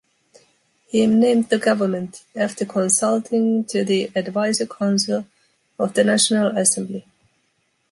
He named the government, after consulting to the Advisor Council of the national assembly.